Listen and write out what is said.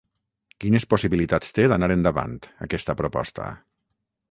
Quines possibilitats té d’anar endavant, aquesta proposta?